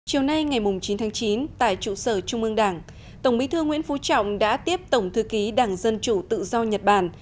chiều nay ngày chín tháng chín tại trụ sở trung ương đảng tổng bí thư nguyễn phú trọng đã tiếp tổng thư ký đảng dân chủ tự do nhật bản